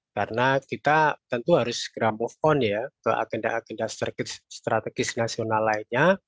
karena kita tentu harus geramuk on ya ke agenda agenda strategis nasional lainnya